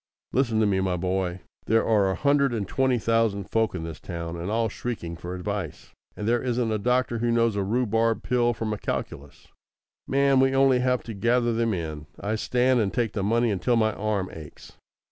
Listen to me, my boy! There are a hundred and twenty thousand folk in this town, all shrieking for advice, and there isn't a doctor who knows a rhubarb pill from a calculus. Man, we only have to gather them in. I stand and take the money until my arm aches."